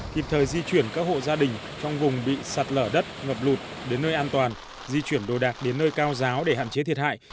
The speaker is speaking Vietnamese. kịp thời di chuyển các hộ gia đình trong vùng bị sạt lở đất ngập lụt đến nơi an toàn di chuyển đồ đạc đến nơi cao giáo để hạn chế thiệt hại